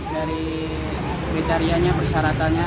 dari kriteriannya persyaratannya